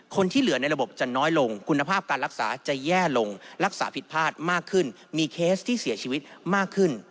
คนที่เหลือในระบบจะน้อยลงคุณภาพการรักษาจะแย่ลงรักษาผิดพลาดมากขึ้นมีเคสที่เสียชีวิตมากขึ้น